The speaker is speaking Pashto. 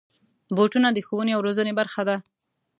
بوټونه د ښوونې او روزنې برخه دي.